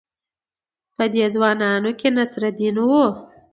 په دې ځوانانو کې نصرالدین وو.